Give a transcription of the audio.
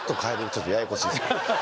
ちょっとややこしい。